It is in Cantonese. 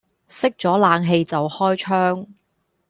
熄咗冷氣就開窗